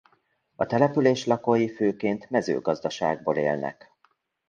A település lakói főként mezőgazdaságból élnek.